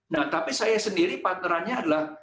nah tapi saya sendiri partnerannya adalah